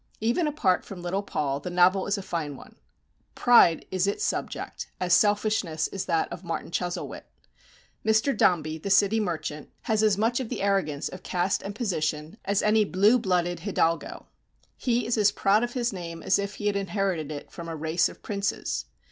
Even apart from little Paul the novel is a fine one. Pride is its subject, as selfishness is that of "Martin Chuzzlewit." Mr. Dombey, the city merchant, has as much of the arrogance of caste and position as any blue blooded hidalgo. He is as proud of his name as if he had inherited it from a race of princes.